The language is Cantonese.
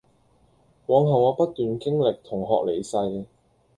往後我不斷經歷同學離世